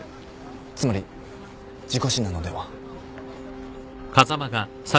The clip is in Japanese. つまり事故死なのでは。